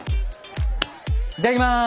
いただきます。